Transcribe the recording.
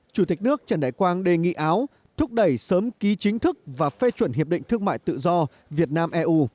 chủ tịch nước trần đại quang đề nghị áo thúc đẩy sớm ký chính thức và phê chuẩn hiệp định thương mại tự do việt nam eu